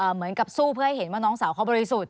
เหมือนกับสู้เพื่อให้เห็นว่าน้องสาวเขาบริสุทธิ์